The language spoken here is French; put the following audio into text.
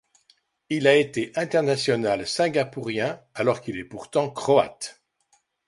Il a été international singapourien alors qu'il est pourtant croate.